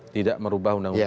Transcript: tidak merubah undang undang